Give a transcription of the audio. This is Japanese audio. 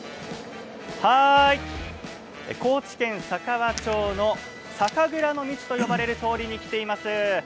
高知県佐川町の酒蔵の道と呼ばれる通りに来ています。